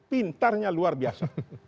pintarnya luar biasa